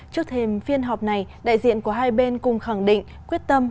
trước thêm phiên họp này đại diện của hai bên cùng khẳng định quyết tâm